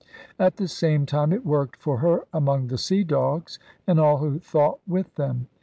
At the same time it worked for her among the sea dogs and all who thought with them.